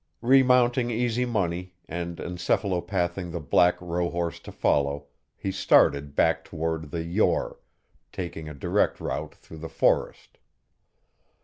Remounting Easy Money and encephalopathing the black rohorse to follow, he started back toward the Yore, taking a direct route through the forest.